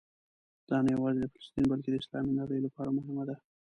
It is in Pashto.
دا نه یوازې د فلسطین بلکې د اسلامي نړۍ لپاره مهمه ده.